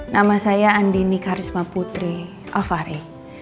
nama saya andi nikarisma putri alvare